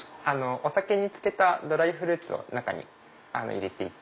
お酒に漬けたドライフルーツを中に入れていて。